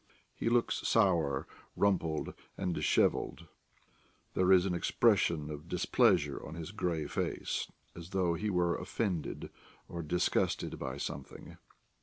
He looks sour, rumpled, and dishevelled; there is an expression of displeasure on his grey face, as though he were offended or disgusted by something.